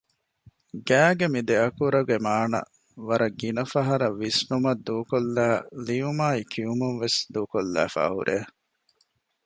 ގައި ގެ މި ދެއަކުރުގެ މާނަ ވަރަށް ގިނަ ފަހަރު ވިސްނުމަށް ދޫކޮށްލައި ލިޔުމާއި ކިޔުމުންވެސް ދޫކޮށްލެވިފައި ހުރޭ